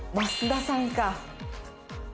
益田さんか！